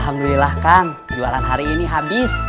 alhamdulillah kang jualan hari ini habis